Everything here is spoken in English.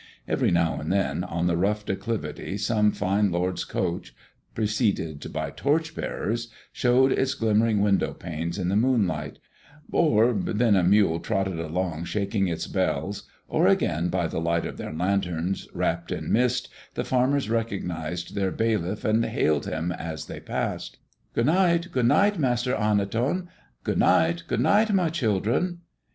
Every now and then, on the rough declivity some fine lord's coach, preceded by torch bearers, showed its glimmering window panes in the moonlight; or then a mule trotted along shaking its bells; or again, by the light of their lanterns wrapped in mist, the farmers recognized their bailiff and hailed him as they passed. "Good night, good night, Master Arnoton!" "Good night; good night, my children!"